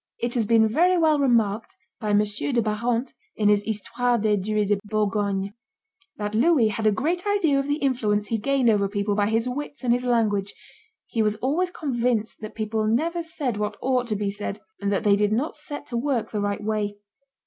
It has been very well remarked by M. de Barante, in his Histoire des Dues de Bourgogne, that "Louis had a great idea of the influence he gained over people by his wits and his language; he was always convinced that people never said what ought to be said, and that they did not set to work the right way."